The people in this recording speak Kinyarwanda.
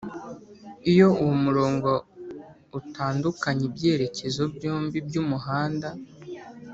iyo uwo murongo utandukanya ibyerekezo byombi by'umuhanda.